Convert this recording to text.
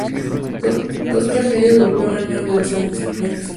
Dos tragedias golpearon a la escritora en menos de dos años.